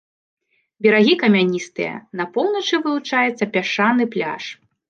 Берагі камяністыя, на поўначы вылучаецца пясчаны пляж.